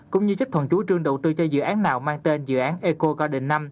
cũng như chấp thuận chú trương đầu tư cho dự án nào mang tên dự án eco garden năm